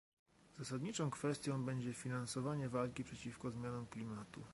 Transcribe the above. Zasadniczą kwestią będzie finansowanie walki przeciwko zmianom klimatu